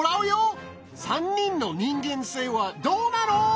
３人の人間性はどうなの？